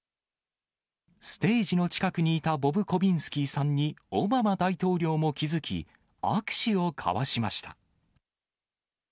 ステージの近くにいたボブコビンスキーさんに、オバマ大統領も気付き、握手を交わしました。